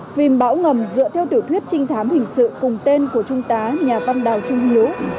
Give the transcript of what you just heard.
phim bão ngầm dựa theo tiểu thuyết trinh thám hình sự cùng tên của trung tá nhà văn đào trung hiếu